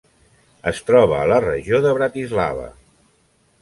Es troba a la regió de Bratislava.